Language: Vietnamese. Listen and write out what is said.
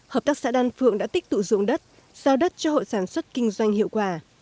hợp tác xã đan phượng đã tích tụ dụng đất giao đất cho hội sản xuất kinh doanh hiệu quả